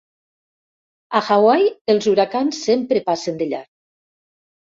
A Hawaii els huracans sempre passen de llarg.